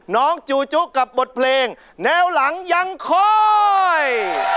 น้องจูจุกลับบทเพลงแนวหลังอย่างค่อย